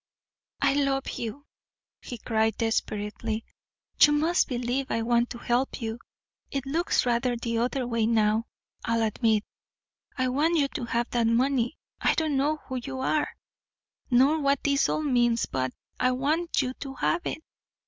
"I love you," he cried desperately. "You must believe I want to help you. It looks rather the other way now, I'll admit. I want you to have that money. I don't know who you are, nor what this all means, but I want you to have it.